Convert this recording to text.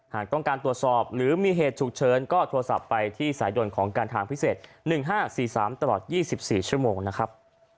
หากต้องการตรวจสอบหรือมีเหตุฉุกเฉินก็โทรศัพท์ไปที่สายด่วนของการทางพิเศษ๑๕๔๓ตลอด๒๔ชั่วโมงนะครับ